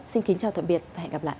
xin kính chào tạm biệt và hẹn gặp lại